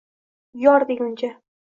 Yor deguncha…